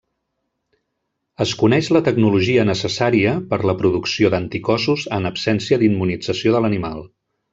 Es coneix la tecnologia necessària per a la producció d'anticossos en absència d'immunització de l'animal.